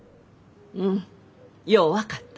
うんよう分かった。